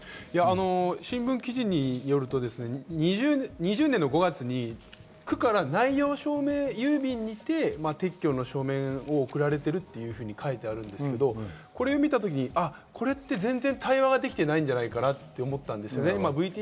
新聞記事によると、２０年の５月に区から内容証明郵便にて撤去の書面が送られていると書いてあるんですけど、これを見た時、これって全然対話ができていないんじゃないかなと思ったんですよね。